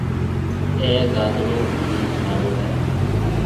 اَي گھاگرو بي ٿارو هيَ۔